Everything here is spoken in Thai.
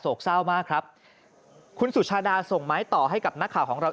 เศร้ามากครับคุณสุชาดาส่งไม้ต่อให้กับนักข่าวของเรา